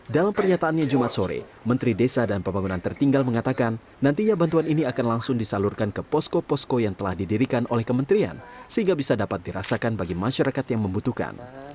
dalam pernyataannya jumat sore menteri desa dan pembangunan tertinggal mengatakan nantinya bantuan ini akan langsung disalurkan ke posko posko yang telah didirikan oleh kementerian sehingga bisa dapat dirasakan bagi masyarakat yang membutuhkan